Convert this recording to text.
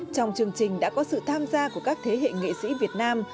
trong chương trình đã có sự tham gia của các thế hệ nghệ sĩ việt nam